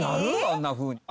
あんなふうに。